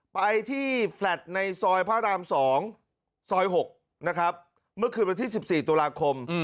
ไปที่แฟลต์ในซอยพระราม๒ซอย๖นะครับเมื่อคืนวันที่๑๔ตุลาคม